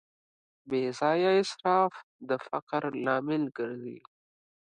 بېځایه اسراف د فقر لامل ګرځي.